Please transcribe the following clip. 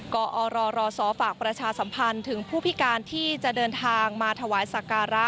กอรศฝากประชาสัมพันธ์ถึงผู้พิการที่จะเดินทางมาถวายสักการะ